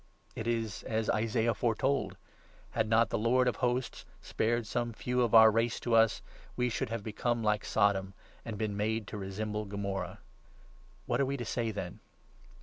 It is as Isaiah foretold — 29 ' Had not the Lord of Hosts spared some few of our race to us, We should have become like Sodom and been made to resemble Gomorrah.' The cause What are we to say, then